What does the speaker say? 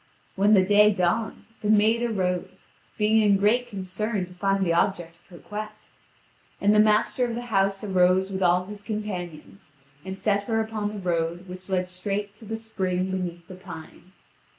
When the day dawned, the maid arose, being in great concern to find the object of her quest. And the master of the house arose with all his companions, and set her upon the road which led straight to the spring beneath the pine.